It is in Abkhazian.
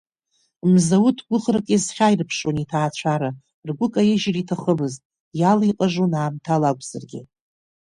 Мзауҭ гәыӷрак иазхьаирԥшуан иҭаацәара, ргәы каижьыр иҭахымызт, иалаиҟажон аамҭала акәзаргьы.